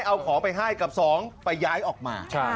เอาของไปให้กับสองไปย้ายออกมา